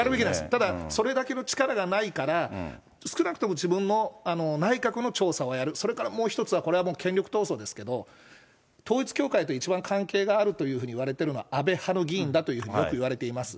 ただ、それだけの力がないから、少なくとも自分の内閣の調査はやる、それからもう一つは、これはもう権力闘争ですけど、統一教会と一番関係があるというふうにいわれているのは、安倍派の議員だというふうによく言われています。